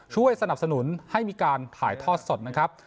ช่วยสนับสนุนให้มีการถ่ายทอดสดนะครับ